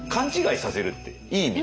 いい意味で。